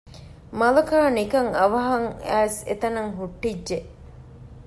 މަލަކާ ނިކަން އަވަހަށް އައިސް އެތަނަށް ހުއްޓިއްޖެ